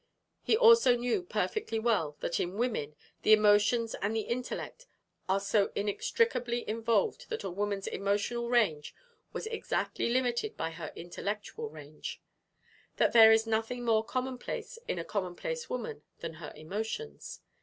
He also knew perfectly well that in women the emotions and the intellect are so inextricably involved that a woman's emotional range was exactly limited by her intellectual range; that there is nothing more commonplace in a commonplace woman than her emotions.